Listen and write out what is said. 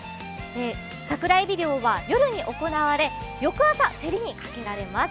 さくらえび漁は夜に行われ、翌朝、競りにかけられます。